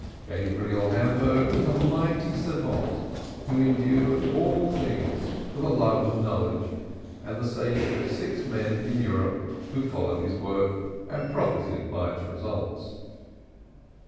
Gabriel Hamburg was a mighty savant who endured all things for the love of knowledge and the sake of six men in Europe who followed his work and profited by its results.